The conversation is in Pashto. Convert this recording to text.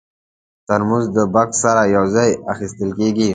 ترموز د بکس سره یو ځای اخیستل کېږي.